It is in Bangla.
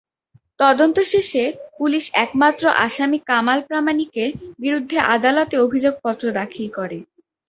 তদন্ত শেষে পুলিশ একমাত্র আসামি কামাল প্রামাণিকের বিরুদ্ধে আদালতে অভিযোগপত্র দাখিল করে।